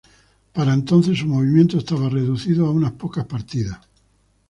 Para entonces su movimiento estaba reducido a unas pocas partidas.